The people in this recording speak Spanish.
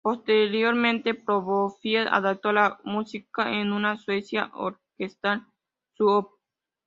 Posteriormente, Prokófiev adaptó la música en una "suite" orquestal, su Op.